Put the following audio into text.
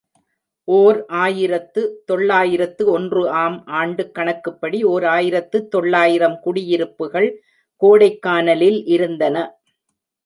ஓர் ஆயிரத்து தொள்ளாயிரத்து ஒன்று ஆம் ஆண்டுக் கணக்குப்படி ஓர் ஆயிரத்து தொள்ளாயிரம் குடியிருப்புகள் கோடைக்கானலில் இருந்தன.